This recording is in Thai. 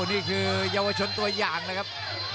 นี่คือเยาวชนตัวอย่างนะครับ